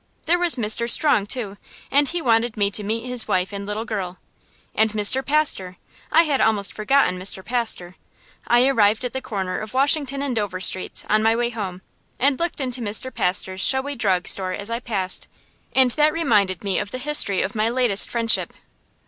There was Mr. Strong, too, and he wanted me to meet his wife and little girl. And Mr. Pastor! I had almost forgotten Mr. Pastor. I arrived at the corner of Washington and Dover Streets, on my way home, and looked into Mr. Pastor's showy drug store as I passed, and that reminded me of the history of my latest friendship.